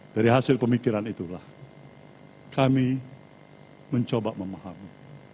dari hasil pemikiran itulah kami mencoba memahami